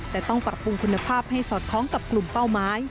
แต่ต้องปรับปรุงคุณภาพให้สอดคล้องกับกลุ่มเป้าหมาย